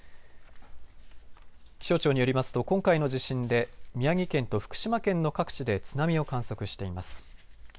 気象庁によりますと今回の地震で宮城県と福島県の各地で津波を観測しています。